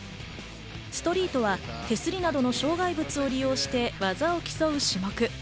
ストリートは手すりなどの障害物を利用して技を競う種目。